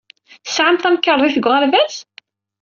Tesɛam tamkarḍit deg uɣerbaz?